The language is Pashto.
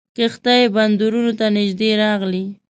کښتۍ بندرونو ته نیژدې راغلې.